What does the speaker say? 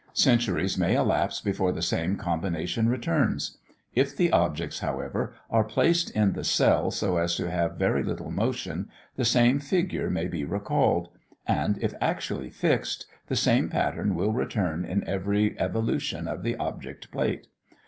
Centuries may elapse before the same combination returns; if the objects, however, are placed in the cell so as to have very little motion, the same figure may be recalled, and if actually fixed, the same pattern will return in every evolution of the object plate.